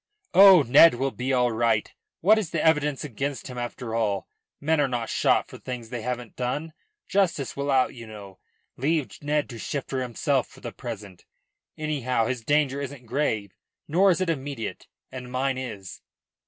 "Oh, Ned will be all right. What is the evidence against him after all? Men are not shot for things they haven't done. Justice will out, you know. Leave Ned to shift for himself for the present. Anyhow his danger isn't grave, nor is it immediate, and mine is."